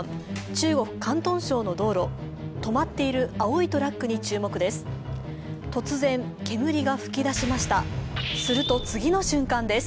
中国・広東省の道路、止まっている青いトラックに注目です。